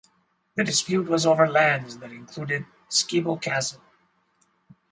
The dispute was over lands that included Skibo Castle.